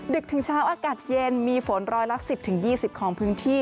ดึกถึงเช้าอากาศเย็นมีฝนร้อยละ๑๐๒๐ของพื้นที่